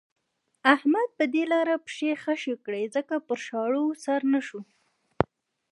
احمد پر دې لاره پښې خښې کړې ځکه پر شاړو سر نه شو.